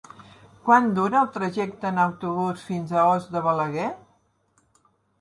Quant dura el trajecte en autobús fins a Os de Balaguer?